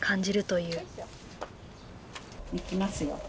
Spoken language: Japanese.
いきますよ。